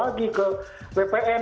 balik lagi ke bpn